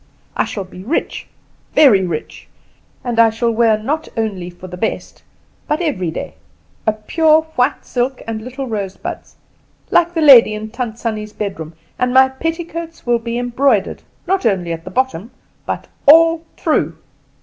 I shall be rich, very rich; and I shall wear not only for best, but every day, a pure white silk, and little rose buds, like the lady in Tant Sannie's bedroom, and my petticoats will be embroidered, not only at the bottom, but all through."